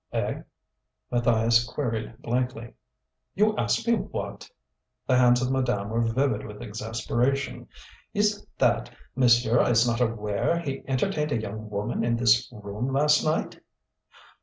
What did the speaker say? "Eh?" Matthias queried blankly. "You ask me what?" The hands of madame were vivid with exasperation. "Is it that monsieur is not aware he entertained a young woman in this room last night?"